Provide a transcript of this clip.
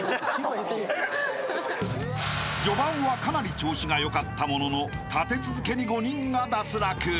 ［序盤はかなり調子が良かったものの立て続けに５人が脱落］